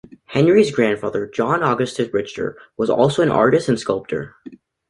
Henry's grandfather, John Augustus Richter, was also an artist and sculptor.